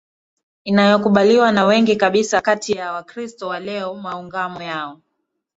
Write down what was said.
inayokubaliwa na wengi kabisa kati ya Wakristo wa leo Maungamo yao